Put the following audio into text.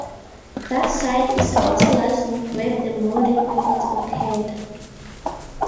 That site is also largely where the modding efforts occurred.